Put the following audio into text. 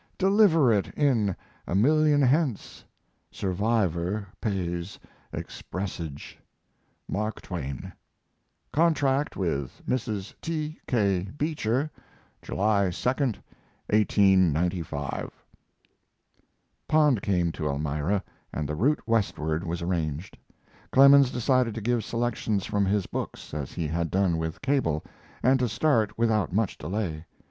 Deliver it a million hence; (Survivor pays expressage.) MARK TWAIN Contract with Mrs. T. K. Beecher, July 2, 1895. Pond came to Elmira and the route westward was arranged. Clemens decided to give selections from his books, as he had done with Cable, and to start without much delay.